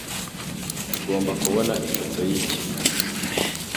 Ugomba kubona ifoto yibyo